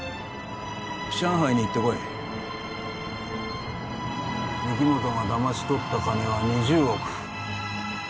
上海に行ってこい御木本がだまし取った金は２０億